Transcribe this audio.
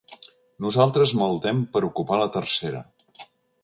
Nosaltres maldem per ocupar la tercera.